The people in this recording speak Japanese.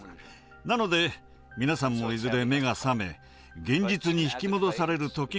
なので皆さんもいずれ目が覚め現実に引き戻される時がやって来ます。